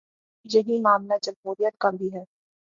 یہی معاملہ جمہوریت کا بھی ہے۔